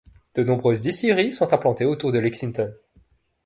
De nombreuses distilleries sont implantées autour de Lexington.